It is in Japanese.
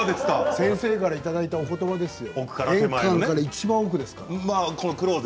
先生からいただいたおことばですよ。